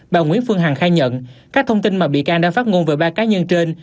bà nguyễn phương hằng khai nhận các thông tin mà bị can đang phát ngôn về ba cá nhân trên